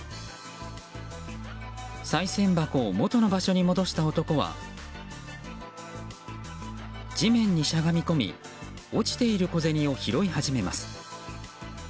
さい銭箱をもとの場所に戻した男は地面にしゃがみ込み落ちている小銭を拾い始めます。